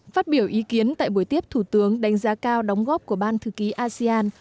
phát biểu ý kiến tại buổi tiếp thủ tướng đánh giá cao đóng góp của ban thư ký asean